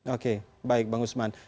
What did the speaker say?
oke baik bang usman